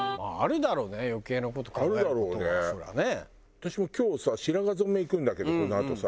私も今日さ白髪染め行くんだけどこのあとさ。